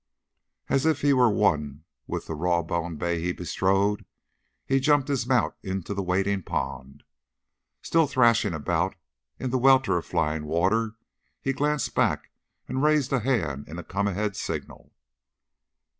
As if he were one with the raw boned bay he bestrode, he jumped his mount into the waiting pond. Still threshing about in the welter of flying water, he glanced back and raised a hand in a come ahead signal.